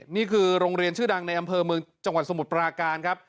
นี่คือโรงเรียนชื่อดังในอำเภอเมืองจังหวัดสมุทรปราการครับ